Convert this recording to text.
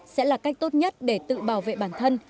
sẽ là cách tốt nhất để tự bảo vệ bản thân